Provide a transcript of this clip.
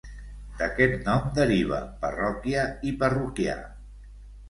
D'aquest nom deriva parròquia i parroquià.